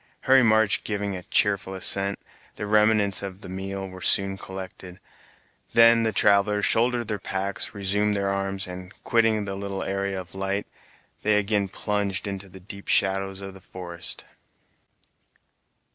Harry March giving a cheerful assent, the remnants of the meal were soon collected; then the travelers shouldered their packs, resumed their arms, and, quitting the little area of light, they again plunged into the deep shadows of the forest.